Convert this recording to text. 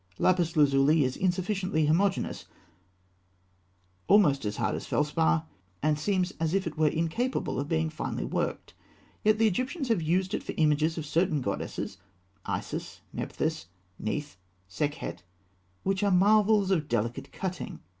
Lapis lazuli is insufficiently homogeneous, almost as hard as felspar, and seems as if it were incapable of being finely worked. Yet the Egyptians have used it for images of certain goddesses Isis, Nephthys, Neith, Sekhet, which are marvels of delicate cutting.